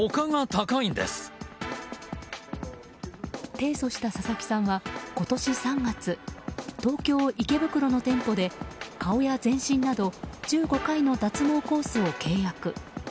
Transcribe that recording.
提訴した佐々木さんは、今年３月東京・池袋の店舗で顔や全身など１５回の脱毛コースを契約。